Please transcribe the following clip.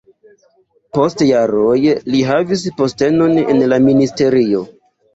Post jaroj li havis postenon en la ministerio.